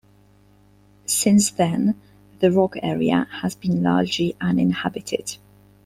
Since then, the Rog area has been largely uninhabited.